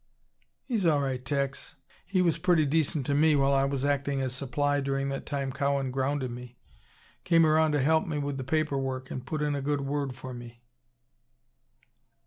"He's all right, Tex. He was pretty decent to me while I was acting as Supply during that time Cowan grounded me. Came around to help me with the paper work and put in a good word for me."